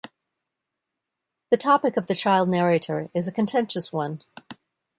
The topic of the child narrator is a contentious one.